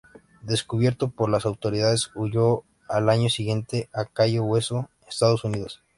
Descubierto por las autoridades, huyó al año siguiente a Cayo Hueso, Estados Unidos.